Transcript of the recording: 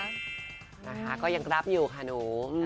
นะคะก็ยังรับอยู่ค่ะหนู